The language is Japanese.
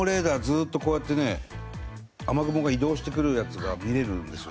ずっとこうやってね雨雲が移動してくるやつが見れるんですよね。